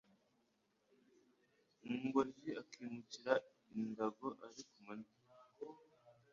Ngozi akimukira i Ndago ari kumanywa